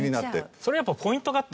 それはやっぱポイントがあって。